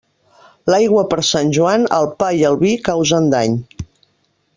L'aigua per Sant Joan, al pa i al vi causen dany.